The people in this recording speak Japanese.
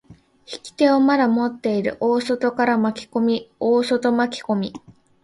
引き手をまだ持っている大外から巻き込み、大外巻き込み。